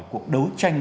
cuộc đấu tranh